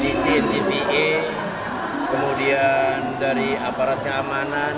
di dcn tve kemudian dari aparat keamanan